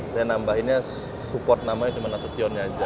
saya nambahinnya support namanya cuma nasutionnya aja